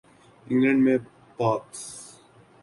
England میں پاکس